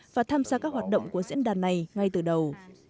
và tham gia các hoạt động của diễn đàn này ngay từ đầu